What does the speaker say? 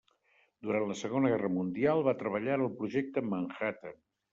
Durant la Segona Guerra Mundial va treballar en el Projecte Manhattan.